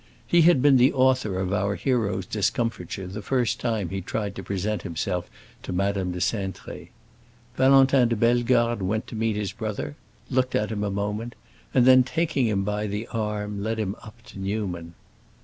He had been the author of our hero's discomfiture the first time he tried to present himself to Madame de Cintré. Valentin de Bellegarde went to meet his brother, looked at him a moment, and then, taking him by the arm, led him up to Newman.